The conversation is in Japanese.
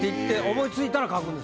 思いついたら書くんですか？